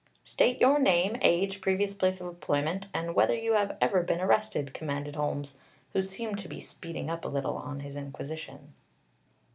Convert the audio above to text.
"State your name, age, previous place of employment, and whether you have ever been arrested," commanded Holmes, who seemed to be speeding up a little on his inquisition.